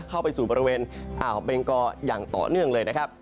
เข้าไปสู่บริเวณอ่าวเบงกออย่างต่อเนื่องเลยนะครับ